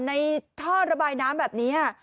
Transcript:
ในท่อระบายน้ำแบบนี้ค่ะ